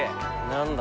何だ？